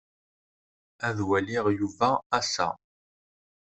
Ad waliɣ Yuba ass-a.